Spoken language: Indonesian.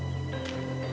ayah tidak akan menangkapmu